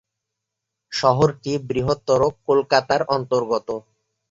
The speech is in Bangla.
শহরটি বৃহত্তর কলকাতার অন্তর্গত।